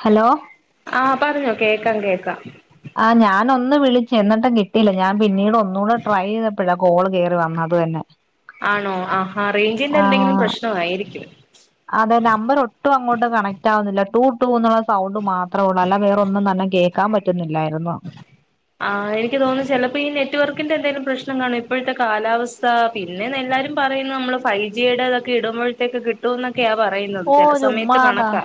Hello ആഹ പറഞ്ഞോ കേൾക്കാം കേക്കാം ആ് ഞാന ഒന്ന് വിളിച്ച എന്നിട്ടും കിട്ടിയില്ല ഞാൻ പിന്നീട് ഒന്നൂടെ ട്രൈ ചെയ്തപ്പഴ കോൾ കയറി വന്ന വന്നെ [unintelligible] ആണോ ആഹാ റേഞ്ചിന്റെ എന്തെങ്കിലും പ്രശ്ന ആയിരിക്കും അതെ നമ്പർ ഒട്ടും അങ്ങോട്ട് കണക്റ്റ് ആവുന്നില്ല ടടു ടൂ എന്നുള്ള സൗണ്ട് മാത്രമ ഉള്ളൂ അല്ല വേറൊന്നും തന്നെ കേൾക്കാൻ പറ്റുന്നില്ലായിരുന്നു മ ആ എനിക്ക് തോന്നുന്നു ചിലപ്പോ ഈ നെറ്റ്വർക്കിന്റെ എന്തെങ്കിലും പ്രശ്നം കാണും ഇപ്പോഴത്തെ കാലാവസ്ഥ പിന്നെ നല്ല എല്ലാരും പറയുന്നത് നമ്മൾ ഫൈവ് ജിയുടെ ഇതൊക്കെ ഇടുമ്പോഴേക്ക് കിട്ടുമക്കെ ക്കെയാ പറയുന്നത് ഓ ചില സമയത്ത് ചുമ്മാതാ കണക്കാ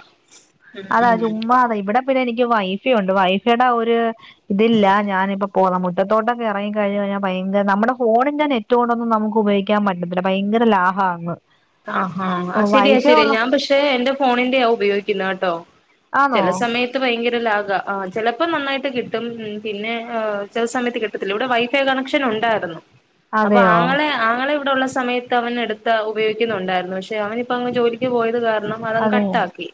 ഉം അതാ ഉം ചുമ്മാ അതാ ഇവിടെ പിന്നെ എനിക്ക് വൈഫയുണ്ട് വൈഫയുടെ ഒരു ഇതില്ല ഞാനിപ്പ ഇപ്പോ ന മുറ്റത്തോട്ടൊക്കെ ഇറങ്ങി കഴിഞ്ഞ കഴിഞ്ഞാ ഭയങ്കരമ്മ ഫോണിൽ ഞൻ മുറ്റ കൊണ്ടൊന്നും നമുക്ക് ഉപയോഗാൻ പറ്റത്തില്ല ഭയങ്കര ഇ ലാഹാണ്. ആഹാ ശരിയാ ശരി ഞാൻ പക്ഷെ എന്റെ ഫോണിന്റെയാ ഉപയോഗിക്കുന്നത്. കേട്ടോ ആണോ ചലസമയ ഭയ ചിലപ്പോൾ നന്നായിട്ട് കിട്ടും പിന്നെ ചില സമയത്ത് കിട്ടത്തില്ല ഇവിടെ വൈഫൈ കണക്ഷൻ ഇണ്ടാരുന്നു അപ്പൊ അതെയോ ആങ്ങള ആങ്ങള ഇവിടെഉള്ള സമയത്ത് അവൻ എടുത്ത ഉ ഉപയോഗിക്കുന്നുണ്ടായിരുന്നു പക്ഷെ അവനിപ്പ അങ് ജോലിക്ക് പോയത് കാരണം കണം മതം അതെയോ കട്ടാക്കി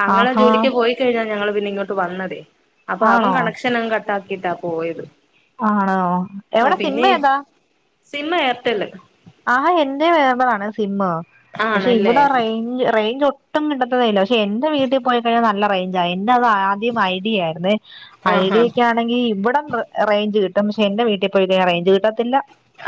താങ്ങളെ ആഹാ ജോലിക്ക് പോയിക്കഴിഞ്ഞാൽ ഞങ്ങള്ൾ പിന്നെ ഇങ്ങോട്ട് വന്നതേ അപ്പൊ അവൻ ആണോ കണക്ഷനും കട്ട ആക്കിട്ടാ പോയത് ആണോ ആ എവിടെ സിനമ പിന്നെ ഏതാ സിം എയർടെല് ആഹാ എൻന്റെ മേമ്പലാണ് സിമ്മ പക്ഷെ ആണല്ലേ ഇവിടെ റേഞ്ച് റേഞ്ച് ഒ ഒട്ടും കിട്ടതല്ല പക്ഷെ എന്റെ വീട്ടിൽ പോയി കഴിഞ്ഞാ നല്ല റേഞ്ച് ആ പിന്നെ അത് ആദ്യം ഐഡിയ ആയിരു ന്ന ആഹാ ഐഡിയ ഒക്കെ ആണെങ്കി ഇവിടം റേഞ്ച് കിട്ട പക്ഷെ എന്റെ വീട്ടിൽ പോയി അറേഞ്ച് കിട്ടാത്തില്ല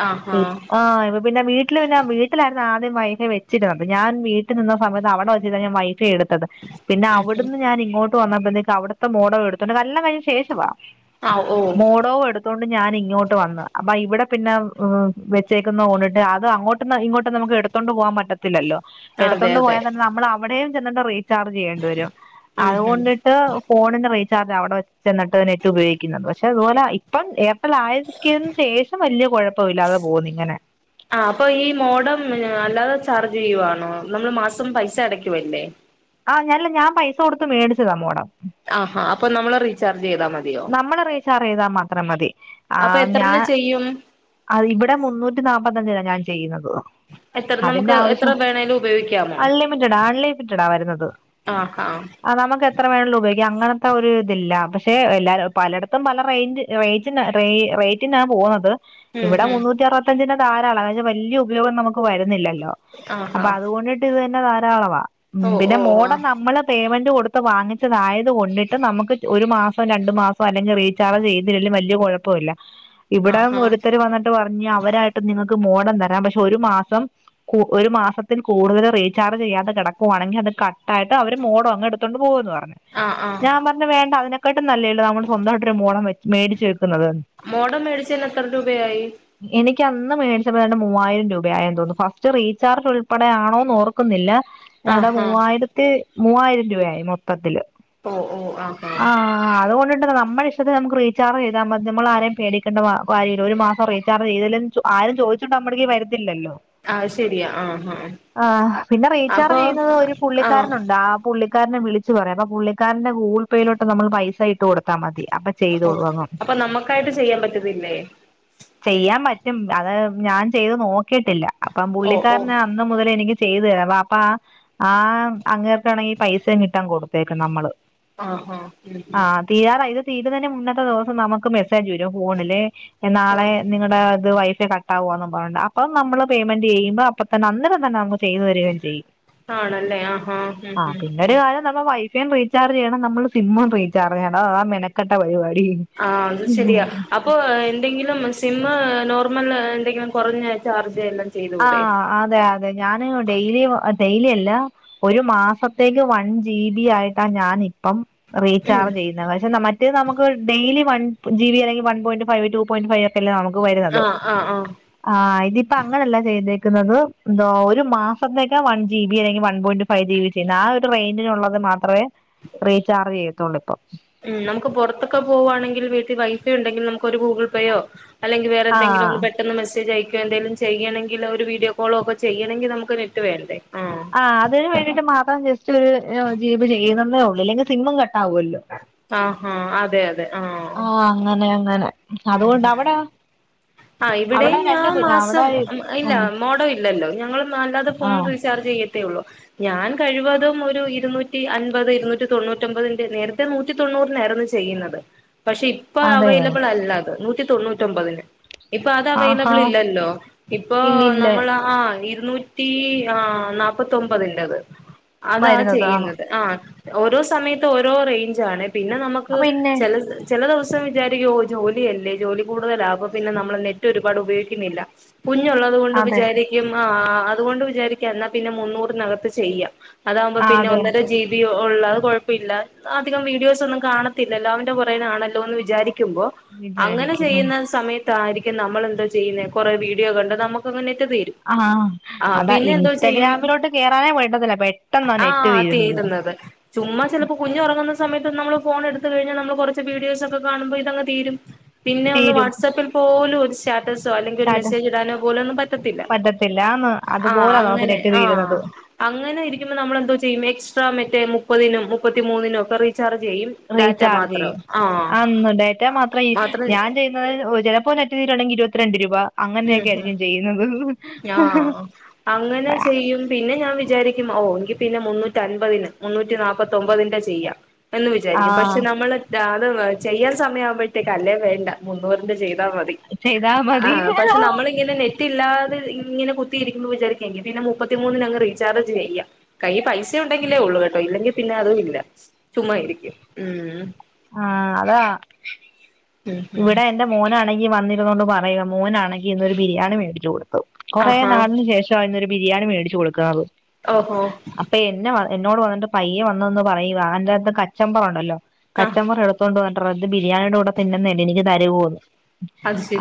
ആഹാ ആ പിന്നെ വീട്ടിൽ പിന്നെ വീട്ടിലായിരുന്നു ആദ്യം വൈഫ വെച്ചിരുന്നത് ഞാൻ വീട്ടിൽ നിന്ന സമത്ത്വിടെെച്ചിത ഞാ വൈഫെ എടുത്ത് ത് പിന്നെ ഉം ഉം അവിടുന്ന് ഞൻ ഇങ്ങോട്ട് വന്നപ്പോഴത്തേക്കക്ക് അവിടുത്തെ മോഡോ എടുത്തോണ്ട് എല്ലാം കഴിഞ്ഞ ശേഷവാ ആഹ് ഓഹ് ണ്ട് ഞാൻ ഇങ്ങോട്ട് വന്ന അപ്പ ഇവിടെ പിന്നെ വെച്ചേക്കുന്ന ഓണി അ അത് അങ്ങോട്ട്ന്ന് ഇങ്ങോട്ട് നമുക്ക് എടത്തോണ്ടു പോകാൻ പറ്റത്തില്ലോ അതെ എടത്തോണ്ട് അതെ പോയാ തന്നെ നമ്മൾ അവിടെയും റീ ചെയ്യരും ഉം ഉം അ് ഫോണ ചാർജ് അവിടെ വെെന്നിട്ട് ഏറ്റവും ഉപയോഗിക്കുന്നത് പക്ഷെ അതുപോലെ ഇപ്പം അല്ലക്കന് ശേഷം വലിയ കുഴപ്പ ഇില്ലാതെ പോകുന്നു ഇങ്ങനെ ആ അപ്പൊ ഈ മോഡം അല്ലാതെ ചാർജ് ചെയ്യുവാണോ നമ്മൾ മാസം പൈസ അടക്കുവല്ലേ ആഞല്ല ഞാൻ പൈസ കൊടുത്ത് മേടിച്ചതാ മോടം ആഹാ അപ്പൊ നമ്മളറി നമ്മള റീച്ചാർ ചെയ്താൽ മാത്രം മതി ആ അപ്പൊ എത്രണ്ണ ഞാൻ ചെയ്യും അ ഇവിടെ മുന്നൂറ്റി നാപ്പത്തഞ്ച ഞാൻ ചെയ്യുന്നത് എത്ര അതിന്റെ നമുക്ക് എത്ര ആവശ്യം വേണേലും ഉപയോഗിക്കാമോ അൺലിമിറ്റഡാ അൺലിമിറ്റഡ ആ വരുന്നത് ആഹാ അത് നമുക്ക് എത്ര വേണ ഉപയോഗിക്കാം അങ്ങനെ ഒരു ഇതില്ല പക്ഷെ എല്ലാര പലയിടത്തും പല റ റേ റേറ്റിനാ പോകുന്നത് ഉം ഇവിടെ ഉം മുന്നൂറ്റി അറുപത്തഞ്ചിന്റെ താരള അ വലിയ ഉപയോഗം നമുക്ക് വരുന്നില്ലല്ലേ അ ആഹാ അതൊണ്ടിട്ട് ഇത് തന്നെ ധാരാള ഓ പിന്നെ ഓ മ ആ നമ്മൾ പ്മെന് ത്ത് വാങ്ങിച്ചതായത് കൊണ്ടിട്ട് നമുക്ക് ഒരു മാസം രണ്ടു മാസം അല്ലെങ്ക റീചാർജ്ചെയ്തില്ലേലും വലിയ കുഴപ്പമ ഇല്ല ഇവിടം ആഹാ ഒരുത്തർ വന്നിട്ട് പറഞ്ഞ് അവരായിട്ട് നിങ്ങക്ക് മോഡ തരാം പക്ഷെ ഒരു മാസം ഒരു മാസത്തിൽ കൂടുതൽ റീചാർജ് ചെയ്യാതെ കിടക്കുവാണെങ്കിൽ അ കട്ടായിട്ട് അവര് മോടോ അങ് എടുത്തോണ്ട് പോകുന്നു ആ ആ ഞാൻ പറഞ്ഞ വേണ്ട അതിനൊക്കെട്ടും നല്ലേള്ളൂ നമ്മള് സ്വന്തമായിട്ട്രു മോളം വ മേടിച്ച് വക്കും മോടം മേടിച്ചന് എത്ര രൂപയായി എനിക്ക് അന്ന് മേടിച്ചണ്ട് മൂവായിരം രൂപയായ തോന്ന ഫസ്റ്റ് റീചാജ് ഉൾപ്പെടെ ആണോന്ന് ഓർക്കുന്നില്ല എടെ ആഹാ മൂവായിരത്തി മൂവായിരം രൂപയായി മൊത്തത്തില്ൽ ഓ ഓ ആഹ ആഹ ആ അതൊണ്ടണ്ട് നമ്മ ഇഷ്ടത്തെ നമുക്ക് റചാർജ്താൽ മതി നമ്മ ആരേും പേടേണ്ട കാര്യമല്ല ഒരു മാസം അറ വിച്ചാ ചെയ്തും ആരും ചോദിച്ചിട്ട് നമ്മടേക്ക് വരല്ലോ ആ ശരിയാ ആഹാ ആഹ് പിന്നെ അപ്പൊ റീചാർജ് ചെയ്യുന്നത് ഒരു പുള്ളിക്കാരനുണ്ട് ആ പുള്ള ക്കാരനെ വിളിച്ച പറയാം അ പുള്ളിക്കാരന്റെ ഗൂഗിൾേയിലോട്ട്മ്മൾ പൈസ ഇട്ട് കൊടുത്താൽ മതി അപ്പൊ ഓ ചെയ്തോളൂ അങ്ങ് അപ്പൊ നമ്മുക്കായിട്ട് ചെയ്യാൻ പറ്റത്തില്ലേ? ചെയ്യാൻ പറ്റും. അത് ഞാൻ ചെയ്ത് നോക്കിയിട്ടില്ല അപ്പം ഓ ഓ പുള്ളിക്കാരന് അന്ന് മുതൽ എനിക്ക് ചെയ്തു തരാം അപ്പ ആ അങ്ങേർക്കാണെങ്കിൽ പൈസയും കിട്ടാൻ കൊടുത്തേക്കെ നമ്മള് ആഹ ആഹ് ഹ ഹ തീട് തന്നെ മുന്നത്തെ ദിവസം നമുക്ക് മെസ്സേജ് വരും ഫോണില് നാളെ ആഹ് നിങ്ങളുടെത് വൈഫ കട്ടാവുകന്ന പറഞ്ഞുണ്ട് അപ്പ നമ്മ പേയ്മെന്റ് ചെയ്യുമ്പോ അപ്പൊ തന്ന അന്നേം തന്നെ ന ചെയ്തു വരിയും ചെയ്യും. ആണല്ലേ ആഹാ ഉം ആ ഉം പിന്നെരു ഉം കാലം നമ്മ - റീചാർജ് ചെയ്യണം നമ്മള് സിമ്മും റീചാർജെയ്യണം അ താ മെനക്കെട്ട പരുപാടി ആഹ അത് ശരിയാ അപ്പൊ എന്തെങ്കിലും സ്- സിമ്മ് നോർമൽ എന്തെങ്കിലും കുറഞ്ഞ ചാർജ്ല്ല ആ അതെ അതെ ഞാന് ഡെയിലി ശൈലിയല്ല ഒരു മാസത്തേക്ക് വൺ ജി ബി ആയിട്ടാ ഞാൻ ഇപ്പം ഉം റീചാർജ് ചെയ്യുന്നത് പക്ഷെ നമ്മ മറ്റേ നമുക്ക് ഡെയിലി വൺ ജി ബി അല്ലെങ്കി one point five two point ഫൈവൊക്കെ ല്ലേ നമക് വരുന്നത്, ആഹ് ആഹ് ആഹ് അഹ് ഇതിപ്പോ അ- വന്നേക്കുന്നത് ഒരു മാസത്തേക്ക് വൺ ജി ബി അല്ലെങ്കെ one point five G B ഒക്കേണ് ആ രു ള്ളത് മാത്രവേ റീചാർജ് ചെയ്യത്തൊള്ളൂ ഇപ്പൊ ഉം നമുക്ക് പുറത്തൊക്കെ ഇം നമുക്ക് നമുക്ക് പൊർത്ത്ക്ക് പോവാണെങ്കിൽ വീട്ടിൽ വൈഫ ഉണ്ടെങ്കിൽ നമുക്കൊരു ഗൂഗിൾ പേയോ അല്ലെങ്കി വേറെന്തങ്കിലും ആഹ് ന്ന് പെട്ടെന്ന് മെസേജെയ് എന്തേലും ചെയ്യണങ്കിലൊ ഒരു വീഡിയോ കോളോക്കെ ചെയ്യണങ്കി നമുക്ക് നെറ്റ് വേണ്ടേ ആഹ് ആ അതിനന് വേണ്ടിട്ട് മാത്രം ജസ്റ്റ് ഒരു ജീ ബി ചെയ്യുണെന്നേ ഒള്ളൂ ല്ലെങ്കിൽ സിമ്മും കട്ടാവുല്ലോ ആഹ അതെ അതെ ആഹ് ആഹ അങ്ങനെ അങ്ങനെ ഉം അതുകൊണ്ട് ഉം അവിടെ ആഹ് അവിടെ ഇവിടെയും രണ്ട് ഞാൻ അവിടെ മാസം ഇല്ല മോഡോ ഇല്ലല്ലോ ഞങ്ങൾ അല്ലാതെ ഫോൺ ആഹ് റീചാർജ് ചെയ്യത്തേ ഉള്ളൂ ഞാൻ കഴിവതും ഒരു ഇരൂന്നൂറ്റി അൻപത് ഇരുന്നൂറ്റി തൊണ്ണൂറ്റൊമ്പതിന്റെ നേരത്തെ നൂറ്റി തൊണ്ണൂറിനാർന്നു ചെയ്യുന്നത് പക്ഷെ ഇപ്പ അതെയോ അവൈലബിളല്ലത് നൂറ്റി തൊണ്ണൂറ്റൊമ്പതിന് ഇപ്പ അത് ആഹാ അവൈലബിൾ ഇല്ലല്ലോ ഇപ്പൊ ഇല്ലില്ല നമ്മള് ആ ഇരു നൂറ്റി ആ നാപ്പാത്തൊമ്പതിന്റത് അതാ വരുന്നത് കാണും ചെയ്യുന്നത് ആ ഓരോ സമയത്ത് ഓരോ റേയ്ഞ്ചാണ് പിന്നെ നമുക്ക് അ പിന്നെ ചില ചില ദിവസം വിചാരിക്കും ഓ ജോലിയല്ലേ ജോലി കൂടുതലാപ്പൊപിന്നെ നമ്മള് നെറ്റ് ഒരുപാട് ഉപയോഗിക്കുന്നില്ല കുഞ്ഞുള്ളത് കൊൊണ്ട് അതെ വിചാരിക്കും ആ അതുകൊണ്ട് വിചാരിക്കും എന്നാ പിന്നെ മുന്നൂറിനകത്ത് ചെയ്യാം അതാവുമ്പോ ആ പിന്നെ അതെ ഒന്നര ജി ബിയൊ ഉള്ള അത് കുഴപ്പമില്ല അധികം അത്കൊഴപ്പയില്ല്യ വീഡിയോസൊന്നും കാണത്തില്ലല്ലോ അവന്റെ പുറേനാണല്ലോ എന്ന് വിചാരിക്കുമ്പോ അങ്ങനെ വിചാരിക്കും ഉം ചെയ്യുന്ന സമയത്താരിക്കും നമ്മൾ എന്താ ചെയ്യുന്നേ കൊറെേ വീഡിയോ കണ്ട നമുക്ക്അങ്ങനെ ആ ഹാ അതാ ചെയ്യും ഇൻസ്റ്റഗ്രാമിലോട്ട് കേയറാനേ പോണ്ടതില്ല പെട്ടെന്നാ നെറ്റ് ആഹ് തീരുന്നത് [unintelligible] ചുമ്മാ ചെലപ്പോ കുഞ്ഞ ഒറങ്ങുന്ന സമയത്ത് നമ്മള് ഫോൺ എടുത്ത് കഴിഞ്ഞാൽ നമ്മള് കൊറച്ച് വീഡിയോസൊക്കെ കാണുമ്പോ ഇതങ് തീരും പിന്നെ ഒന്ന് തീരും വാട്ട്‌സാപ്പിൽ പോലും ഒരു സ്റ്റാറ്റസോ അല്ലെങ്കിൽ ഒരു മെസ്സേജ് ഇടാനോ പോലും ഒന്നും പറ്റത്തില്ല എല്ലാം ന്ന് ആ അങ്ങനെ ആഹ അങ്ങനെ ഇരിക്കുമ്പോ നമ്മളെന്തോ ചെയ്യുന്നെ എക്സ്ട്രാ മറ്റേ മുപ്പതിനും മുപ്പത്തിമൂന്നിനും ഒക്കെ റീചാർജ് ചെയ്യും ഡാറ്റ റീചാർജ് മാത്രം ചെയ്യും ആ അന്ന് ഡേറ്റ മാത്രം ഞാൻ ചെയ്യുന്നത് ചിലപ്പോ നെു ഞാൻ ചെയ്യുന്നത് ഓ ചെലപ്പോ നെറ്റ് തീരും അല്ലെങ്കിൽ ഇരുവത്തിരണ്ട് രൂപ അങ്ങനെയൊക്കെയിരിക്കും ചെയ്യുന്നത് ആഹ അങ്ങനെ ചെയ്യും പി പിന്നെ ഞാ വിചാരിക്കും ഓ എങ്കി പിന്നെ മുന്നൂറ്റി അൻപതിന് മുന്നൂറ്റി നാല്പ്പത്തൊമ്പതിന്റെ ചെയ്യാം എന്ന് വിചാരിക്കും പക്ഷെ ആഹ് നമ്മള് അത് ചെയ്യാൻ സമയമാവുമ്പഴത്തേക്ക അല്ലേ വേണ്ട മുന്നൂറിന്റെ ചെയ്ത് താ മതി ചെയ്താ ആ മതി പക്ഷെ നമ്മളിങ്ങനെ നെറ്റില്ലാ ഇങ്ങനെ കുത്തിയിരിക്കുമ്പോ വിചാരിക്കെ ങ്കിൽ പിന്നെ മുപ്പത്തിമൂന്നിന് അങ്ങ് റീചാർജ് ചെയ്യാ കൈയ്യി പൈസ ഉണ്ടെങ്കിലേ ഒള്ളൂ കേട്ടോ ഇല്ലെങ്കിൽ പിന്നെ അതും ഇല്ല ചുമ്മായിരിക്കും ഉം ആഹ അതാ ഉം ഉം വിടെ എന്റെ മോനാണെങ്കി വന്നി പറയ്യാ മോനാണെങ്കി ഇന്നൊരു ബിരിയാണി മേടിച്ച കൊടുത്തു കൊറേ ആഹാ നാളിന് ശേശ്വാ ഇന്നൊരു ബിരിയാണി മേടിച്ച് കൊടുക്കാറ് ഓഹോ എന്നോട് വന്നിട്ട് പയ്യെ വന്നന്ന് പറയുക അന്റെറ അത്ത് കച്ചമ്പറുണ്ടല്ലോ ആഹ് കച്ചമ്പറ എടുത്തോണ്ട് വ ത് ബിരിയാണിയുടെ കൂടെ തിന്നുന്നല്ലേ എനിക്ക് തരുവോന്ന്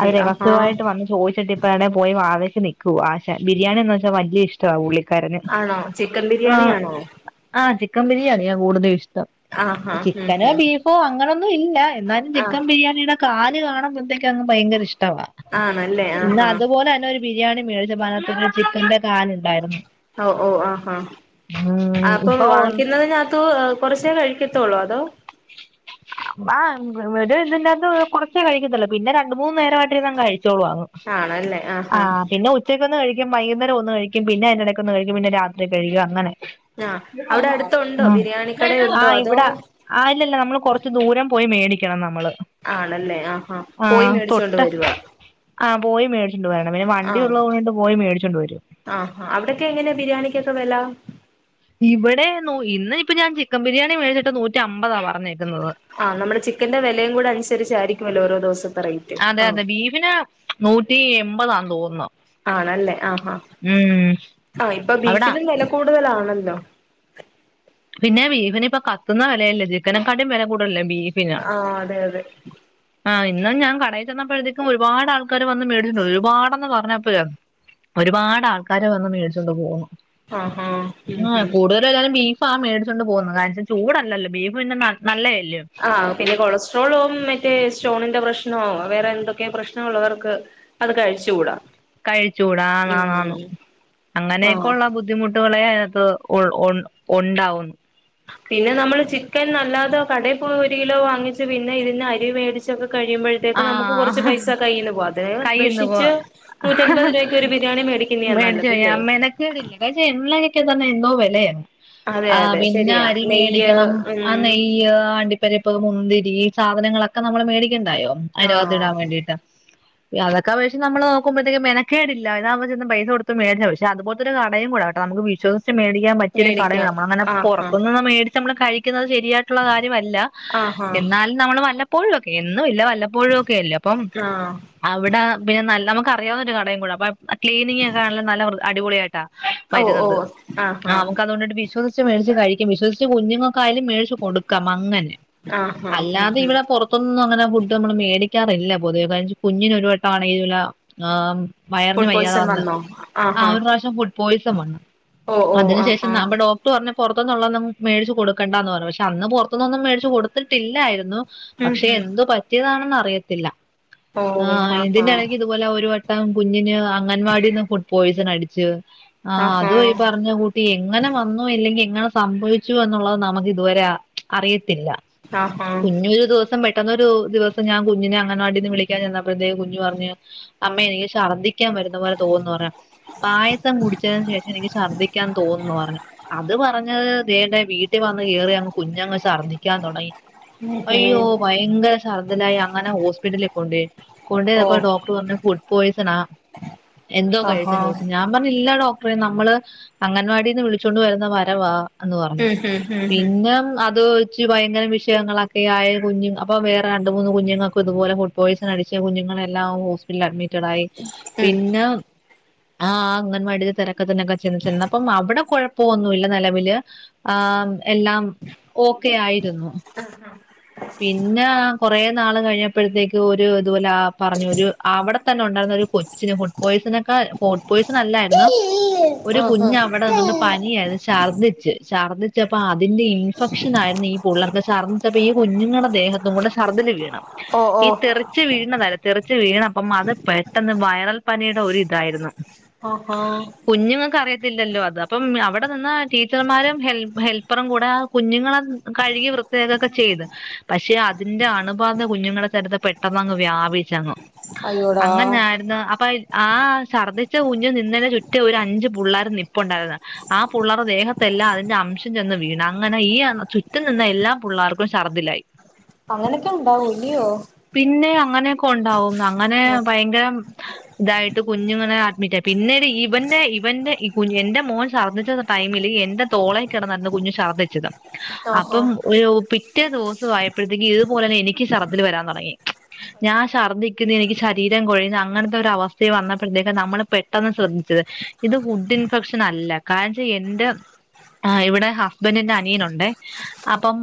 അത് ആഹാ രഹസ്യമായിട്ട് വന്ന് ചോദിച്ചിട്ട് ഇപ്പ എവിടെ പോയി വാ നിക്കൂ ആശാൻ ബിരിയാണി എന്ന് വച്ചാൽ വലിയ ഇഷ്ട ഉള്ളി ആണോ ചിക്കൻ ആ ബിരിയാണി ആണോ ആ ചിക്കൻ ബിരിയാണി ഞാൻ കൂടുതലും ഇഷ്ടം ആഹ് ആഹ് ഹഹ ചിക്കനോ ബീഫോ അങ്ങനൊന്നും ഇല്ല എന്നാലും ആഹ് ചിക്കൻ ബിരിയാണിയുടെ കാല് കാണുമ്പോഴത്തേക്ക് അങ്ങ് ഭയങ്കര ഇഷ്ടം ഇ ആണല്ലേ ഇന്ന ആഹ് ആഹ് അതുപോലെ തന്നെ ഒരു ബിരിയാണി മേടിച്ച മന ചിക്കന്റെ കാലുണ്ടായിരുന്നു ഓ ഓ ആ് ഉം ആ അപ്പം ഇപ്പൊ വാങ്ങിക്കുന്നത്തിന്റെ അകത്തും കൊറച്ച കഴിക്ക ത്തോളൂ അതോ ആ ഇവിടെ ഉണ്ടാകുന്ന കൊറച്ചേ കഴിക്കത്തില്ലോ പിന്നെ രണ്ട് മൂന്ന് നേരമായിട്ടി കഴിച്ചു കഴിച്ചോളൂ ആണല്ലേ ആഹ് ആ ആഹ് പിന്നെ ഉച്ചക്കൊന്നും കഴി ഒന്ന് കഴിക്കും വൈകുന്നേം ഒന്ന് കഴിക്കും പിന്നെ അതിന്റെ ഇടക്ക് ഒന്ന് കഴിക്കും പിന്ന രാത്രി കഴിക്കും അങ്ങനെ ആഹ് അവിടെ ഉം അടുത്തുണ്ടോ ആ ആ ബിരിയാണിക്കടയുണ്ടോ അതോ ഇവിടെ ആ ഇല്ലല്ല നമ്മൾ കൊറച്ച് ദൂരം പോയി മേടിക്കണം നമ്മള് ആണല്ലേ ആ ഹാ പോയി മേടിച്ചൊണ്ട് വരുവാ ആഹ് പോയി മേടിച്ചുകൊണ്ട് വരണം പിന്നെ വണ്ടി ആഹ് ഉള്ളതുക കൊണ്ട് പോയി മേടിച്ചോണ്ട് വരും ആഹ് അവിടൊക്കെ എങ്ങനെയാ ബിരിയാണിക്കൊക്കെ വില ഇവിടെ ഇന്ന് ഇപ്പൊ ഞാൻ ചിക്കൻ ബിരിയാണി മേടിച്ചിട്ട് നൂറ്റി അമ്പതാവാ ആഹ് നമ്മളെ ചിക്കന്റെ വിലയും കൂടെ അനുസരിച്ചായിരിക്കുമല്ലോ ഓരോ ദിവസം അതെ അതെ ബീഫിന് നൂറ്റി എമ്പതന്ന് തോന്നുന്നു ആണല്ലേ ആ ഉം ആ ഇപ്പം അവിടാ ബീഫ് ന് വെല കു കൂടുതലാണല്ലോ പിന്നെ ബീഫിന ഇപ്പൊ കത്തുന്ന വിലയല്ലേ ചിക്കനക്കാടും വില കൂടതല്ലേ ബീഫ് ആഹ് അതെ അതെ ഇന്ന് ഞാൻ കടയിൽ ചെന്നപ്പോഴത്തേക്കും ഒരുപാട് ആൾക്കാർ വന്ന് മേടിച്ചട്ടുണ്ട് ഒരുപാടന്ന് പറഞ്ഞപ്പ ഒരുപാട് ആൾക്കാരെ വന്ന് മേടിച്ചൊണ്ട് പോകുന്നു ആഹ് ആഹ് ഉം ആ ഉം കൂടുതൽ എല്ലാരും ബീഫ് ഫ മടിച്ചൊണ്ട് പോകുന്നത് കാരണം വച്ചാ ചൂടല്ലോ ബീഫ് പിന്നെ നല്ലേ ആഹ് പിന്നെ കൊളസ്ട്രോളോ മറ്റേ സ്റ്റോണിന്റെ പ്രശ്നമാ വേറെ എന്തൊക്കെ പ്രശ്നമ ഉള്ളവർക്ക് അത് കഴിച്ച് കൂട കഴിച്ചുകൂട ആൻ ആൻ ആൻ അങ്ങനെയൊക്കെ ആഹ് ഉള്ള ബുദ്ധിമുട്ടുകളെ ഉണ്ടാവുന്നു പിന്നെ നമ്മള് ചിക്കൻ നല്ലാതോ കടയിപ്പ ഒരു കിലോ വാങ്ങിച്ച് പിന്നെ ഇതിന്ന് അരി മേടിച്ചൊക്കെ കഴിയുമ്പോഴേ നമ്മുക് കുറച്ച് ആഹ് പൈസ കൈയിൽന് പോകും അതിനെ കയ്യിന്ന് അപേക്ഷിച്ച് പോ നൂറ്റത് രൂപയ്ക്ക് ഒരു ബിരിയാണി മേടിക്കുന്നയാ മേടിച്ചു അ നല്ലതില്ലേ മേനെക്കേടില്ല കാരണം വെച്ച എണ്ണ തന്നെ എന്തോ വിലയാണ് അതെ ആ അതെ പിന്നെ ശരിയാ അരി നെയ്യ് മേടിക്കണം ആ ഉം നെയ്യ് അണ്ടിപ്പരിപ്പ് മുന്തിരി ഈ സാധനങ്ങളൊക്കെ നമ്മൾ മേടിക്കണ്ടായോ ആഹ് അനുകത്തിടാൻ വേണ്ടിയിട്ട് അതൊക്കെ വെച്ച് നമ്മ നോക്ക്പോഴത്തേക്ക് മെനക്കേടില്ല ഇതാവുമ്പോ പൈസ കൊടുത്ത് മേട പക്ഷെ അതു പോലത്തെ കടയും കൂടാ നമ്മുക്ക് വിശ്വസിച്ച് മേടിക്കാ പറ്റിയൊ കട മേടിക്കാം നമ്മൾ ആഹ് പുറത്തുനിന്ന് മേടിച്ച് നമ്മൾ കഴിക്കുന്നത് ശ ശരിയായിട്ടുള്ള കാര്യല്ല ആഹ് ആഹ് എന്നാലും നമ്മ വല്ലപ്പോഴും എപ്പോഴും ഒക്കെല്ലേ അപ്പം ആഹ് അവിടെ പിന്നെ നല്ല നമുക്ക് അറിയാവുന്നൊ ഒരു കടയും കൂട അപ്പൊ ക്ലീനിങ്ങ് ഒക്കെ ആണല്ല നല്ല അടിപൊളിയായിട്ടാ ഓ ഓ വരുന്നത് ആഹ് ആഹ് നമ്മുക്ക് അതുകൊണ്ടട്ട് വിശ്വസ് മേഴച്ച് കഴിക്കും വിശ്വസിച്ച് കുഞ്ഞുങ്ങൾക്കായാലും മേഴിച്ച് കൊടുക്കാം അങ്ങനെ ആഹ് ആഹ് ഉം അല്ലാതെ ഉം ഇവിടെ പുറത്തുനൊന്നും അങ്ങനെ ഫു പേടിക്കാറില്ല പൊതുവെ കാര കുഞ്ഞിനൊരു വട്ടമാണ്ല ആ് വയറിന് ഫുഡ് വയ്യാതെ പോയ്സൺ വന്ന് വന്നോ ആ ആഹാ ഒരു പ്രാവശ്യം ഫുഡ് പോയ്സൺ വണം ഓ ഓ അതിനു ശേഷം ആഹാ നമ്മ ഡോക്ടർ പറഞ്ഞ് ന മേടിച്ച് കൊടുക്കണ്ടന്ന് പറഞ്ഞു പക്ഷെ അന്ന് പുറത്തനിന്നൊന്നും മേടിച്ചു കൊടുത്തിട്ടില്ലായിരുന്നു ഉം പക്ഷെ ഉം എന്ത് പറ്റിയതാണെന്ന് അറിയത്തില്ല ഓ ആ് ആഹാ ഇതിനാണെങ്കി ഇതുപോലെ ഒരു കുഞ്ഞിന് അംഗൻവാടിന്ന് ഫുഡ് പോയ്സൺ അടിച്ച് ആ അത് ആഹാ യി പറഞ്ഞ കൂട്ടി എങ്ങനെ വന്നോ ഇല്ലെങ്കി എങ്ങനെ സംഭവിച്ചു എന്നുള്ളത് നമുക്ക് ഇതുവരെ അറിയത്തില്ല ആഹാ കുഞ്ഞരു ദിവസം പെട്ടെന്നൊരു ഒരു ദിവസം ഞാ കുഞ്ഞിനെ അങ്ങന വാട്ടിന്ന് വിളിക്കാൻ ചെന്നപ്പോഴത്തേക്ക് കുഞ്ഞഞ്ഞ്മ്മ എനിക്ക് ശർദ്ദിക്കൻ വരുന്ന പോലെ തോന്നന്ന് പറയാ പായസം കുടിച്ചതിന് ശേഷം എനിക്ക് ഛർദ്ദിക്കാൻ തോന്നന്ന് പറഞ്ഞ അത് പറഞ്ഞത് ന്റെ വീട്ടിൽ വന്ന് കേയറി അങ്ങ് കുഞ്ഞങ്ങർന്നിക്കാൻ തുടങ്ങി ഉം ഉം അയ്യോ ഭയങ്കര മുതലായി അങ്ങനെ ഹോസ്പിറ്റല കൊണ്ട് ഓ കൊണ്ട്പ്പോ ഡോക്ടർ പറഞ്ഞ ഫുഡ് പോസണ ആ എന്തോ കഴിച്ച ആഹാ ചോദിച്ചു ഞാൻ പറഞ്ഞില്ല ഇല്ല ഡോക്ടറെ നമ്മള് അംഗൻവാടിന്ന് വിളിച്ചൊണ്ട് വരുന്ന വരവാ എന്ന് പറഞ്ഞു ഉം ഉം ഉം ഉം പിന്നെ അത് വെച്ച് ഭയങ്കര വിഷയങ്ങളൊക്കെ ആയ കുഞ്ഞു അപ്പൊ വേറെ രണ്ട് മൂന്ന് കുഞ്ഞങ്ങൾക്ക ഇതുപോല ഫുഡ് പോയിസൺ അടിച്ച കുഞ്ഞുങ്ങളല്ലാം ഹോസ്പിറ്റൽ അഡ്മി ടായി ഉം പിന്നെ ആ അങ്ങനവാടി തിരക്കത്തിന്നൊക്കെ ചെന്ന് ച അപ്പം അവിടെ കുഴപ്പൊന്നുമല്ല നിലവില് ആ എല്ലാം ഓക്കെ ആയിരുന്നു പിന്നെ കൊറെേ നാള് കഴിഞ്ഞപ്പോഴത്തേക്ക് ഒരു ഇതുപോലെ പറഞ്ഞു ഒരു അവിടെ തന്നെ ഉണ്ടായിന്ന കൊച്ചിന് ഫുഡ് പോസക്കാൾ ഫുഡ്‌ പോയിസൻ നല്ലായിരുന്നു ഒരു ആഹാ കുഞ്ഞ അവിടെ വന്നുകണ്ട് പനിയായിരുന്നു ഛർദിച്ച് ഛർദിച്ചപ്പോആ അതിന്റെ ഇൻഫെക്ഷൻ ആരുന്നു ഈ പുള്ളള്ളർക്കെഛർദി ഈ ഇങ്ങനെ ദേഹത്തുക്കൂടെ ശര്ദില് വീണു ഓ ഈ ഓ തെറിച്ചവീയുന്നത് തെറിച്ച കു വീണ അപ്പം അത് പെട്ടെന്ന് വൈറൽ പനിയുടെ ഒരു ഇതായിരുന്നു ഓഹോ ഇല്ലോ അത് അപ്പം അവിടെ നിന്ന് ടീച്ചർമാരും ഹെൽപ്പറും കൂടെ കുഞ്ഞുങ്ങളെ കഴുകി വൃ പ്രത്യേകൊക്കെ ചെയ്ത് പക്ഷെ അതിന്റെ അണുബാധ കുഞ്ഞുങ്ങളുടെ തലത്ത് പെട്ടെന്ന്ങ്ങ് വ്യാപിച്ചങ് അയ്യോടാ അങ്ങനെയായിരുന്നു. അപ്പൊ ആ ഛർദിച്ച കുഞ്ഞു നിന്നെ ചുറ്റി ഒരു അഞ്ചച് പിള്ളേർ നിപ്പുണ്ടായിരുന്നു ആ പള്ളേർ ദേഹത്തെ എല്ലാം അതിന്റെ അംശം ചെന്ന് വീണ് അങ്ങനെ ഈ ചുറ്റും നിന്ന എല്ലാ പിള്ളേർക്കും ഛർദ്ദിലായി അങ്ങനൊക്കെ ഇണ്ടാവ ഉലിയോ പിന്നെ അങ്ങനെയൊക്കെ ഉണ്ടാവും അങ്ങനെ ഭയങ്കര ഇതായിട്ട് കുഞ്ഞുങ്ങനെ അഡ്മിറ്റ് പിന്നീട് ഇവന്റെ ഇവന്റെഈ എന്റെ മോൻ ശഛർദ്ദിച്ച ടൈംമിൽ എന്റെ തോള കിടന്നന്ന് കുഞ്ഞു ഛർദ്ദിച്ചത് ആഹാ അപ്പം പിറ്റേ ദിവസ ആയപ്പോഴത്തേക്കും ഇതുപോലെന്നെ എനിക്ക് ശർദ്ദൽ വരാൻ തുടങ്ങി ഞാൻ ഛർദ്ദിക്കുന്നു എനിക്ക് ശരീരം കൊഴിയുന്നു അങ്ങനത്തെ ഒരു അവസ്ഥെ വന്നപ്പോഴത്തേക്ക നമ്മള് പെട്ടെന്ന് ശ്രദ്ധിച്ചു ഇത് ഫുഡ് ഇൻഫെക്ഷൻ അല്ല കാരണം എൻന്റെ ആ് ഇവിടെ ഹസ്ബൻറിന്റെ അനിയനുണ്ട് അപ്പം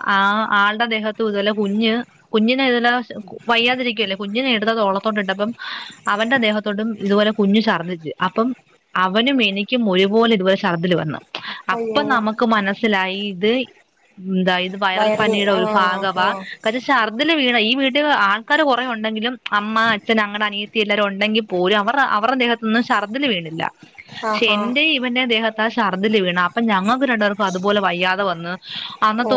ആ ആ ആളുടെ ദേഹത്ത് ഇതല്ലെ കുഞ്ഞ് കുഞ്ഞിനെ ഇതല വയ്യാതിരിക്കുവല്ലേ കുഞ്ഞിനെ എടുതതോളം ണ്ട് അപ്പം അവന്റെ ദേഹത്തോടും ഇതുപോലെ കുഞ്ഞു ചർന്നിച്ച് അപ്പം അവനും എനിക്കും ഒരുഴപോലെ ഇതുപലെ ശഛർദ്ദൽ വന്നു അപ്പൊ അയ്യോ നമുക്ക് മനസ്സിലായി ഇത് എന്ത വൈറൽ വയറിൽ പനിയുടെ ഒരു ആഹാ ഭാഗവാ കാരണം ശർദിൽവീണ ഈ വീ ആൾക്കാാര് കുറേ ഉണ്ടെങ്കിലും അമ്മ അച്ഛൻ അങ്ങടെ അനിയത്തി എല്ലാവരും ഉണ്ടെങ്കിൽ പോലും അവ അവടെ ദേഹത്തൊന്നും ശർദില് വീണില്ല പക്ഷെ ആഹാ എന്റെ ഇവന്റെ ദേഹത്ത് ആ ഛർദ്ദില് വീണണം അപ്പൊ ഞങ്ങൾക്ക് രണ്ട പേർക്ക അതുപോലെ വയ്യാതെ വന്നന്ന് ഓ